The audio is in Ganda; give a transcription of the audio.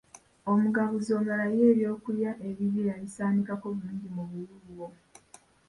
Omugabuzi omulala ye eby'okulya ebibye yabisaanikako bulungi mu buwuuwo.